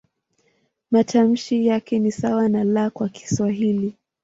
Matamshi yake ni sawa na "L" kwa Kiswahili.